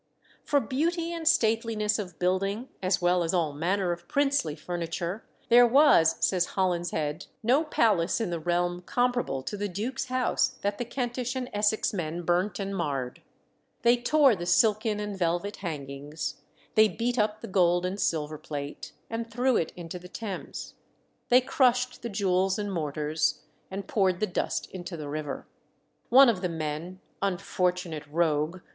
For beauty and stateliness of building, as well as all manner of princely furniture, there was, says Holinshed, no palace in the realm comparable to the duke's house that the Kentish and Essex men burnt and marred. They tore the silken and velvet hangings; they beat up the gold and silver plate, and threw it into the Thames; they crushed the jewels and mortars, and poured the dust into the river. One of the men unfortunate rogue!